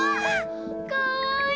かわいい。